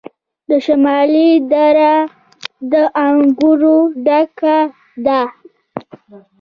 د شمالی دره د انګورو ډکه ده.